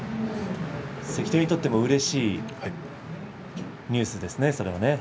関取にとってもうれしいニュースですね。